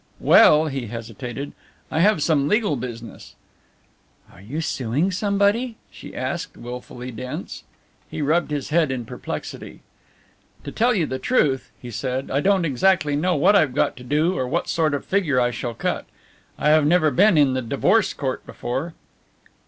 "Well," he hesitated, "I have some legal business." "Are you suing somebody?" she asked, wilfully dense. He rubbed his head in perplexity. "To tell you the truth," he said, "I don't exactly know what I've got to do or what sort of figure I shall cut. I have never been in the Divorce Court before."